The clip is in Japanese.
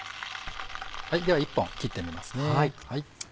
では１本切ってみますね。